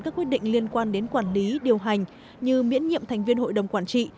các quyết định liên quan đến quản lý điều hành như miễn nhiệm thành viên hội đồng quản trị